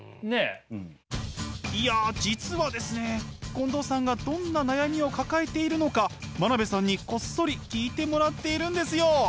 近藤さんがどんな悩みを抱えているのか真鍋さんにこっそり聞いてもらっているんですよ！